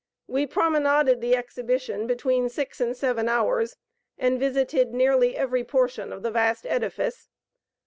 We promenaded the Exhibition between six and seven hours, and visited nearly every portion of the vast edifice.